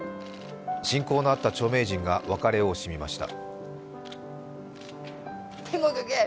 親交のあった著名人が別れを惜しみました。